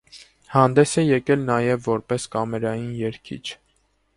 Հանդես է եկել նաև որպես կամերային երգիչ։